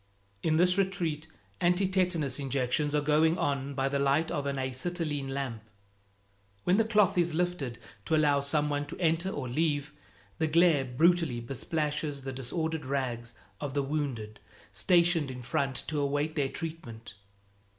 In this retreat, anti tetanus injections are going on by the light of an acetylene lamp. When the cloth is lifted to allow some one to enter or leave, the glare brutally besplashes the disordered rags of the wounded stationed in front to await their treatment.